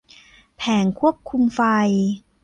แผงควบคุมไฟ